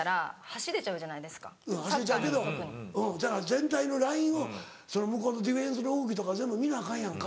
全体のラインを向こうのディフェンスの動きとか全部見なアカンやんか。